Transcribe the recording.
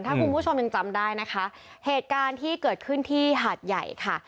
ถ้าคุณผู้ชมยังจำได้นะคะเหตุการณ์ที่เกิดขึ้นที่หาดใหญ่ค่ะ